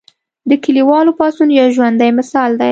د کلیوالو پاڅون یو ژوندی مثال دی.